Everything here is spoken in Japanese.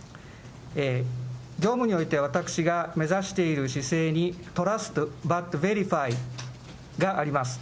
業務において私が目指している姿勢に、トラスト・バット・ベリファイとがあります。